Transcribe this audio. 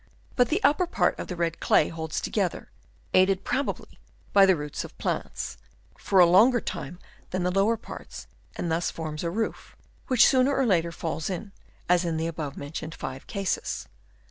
But the upper part of the red clay holds together, aided probably by the roots of plants, for a longer time than the lower parts, and thus forms a roof, which sooner or later falls in, as in the above mentioned five cases.